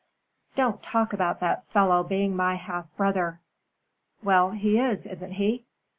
"Don't talk about that fellow being my half brother." "Well, he is, isn't he?"